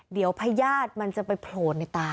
เดี๋ยวพญาติมันจะไปโผล่ในตา